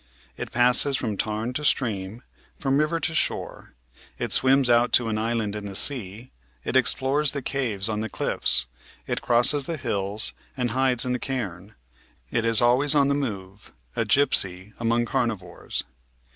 It passes from tarn to stream, from river to shore ; it swims out to an island in the sea ; it explores the caves on the cliffs; it crosses the hills and hides in a cairn; it is always on the move — a gipsy among carnivores.